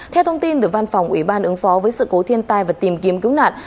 theo thông tin từ văn phòng ủy ban ứng phó với sự cố thiên tai và tìm kiếm cứu nạn